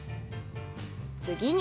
次に。